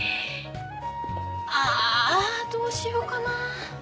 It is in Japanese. あどうしようかなぁ。